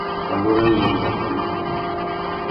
Pandú râ wenga i raffamú.